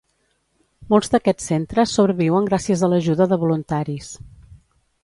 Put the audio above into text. Molts d'aquests centres sobreviuen gràcies a l'ajuda de voluntaris.